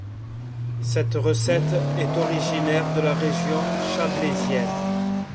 Cette recette est originaire de la région chablaisienne.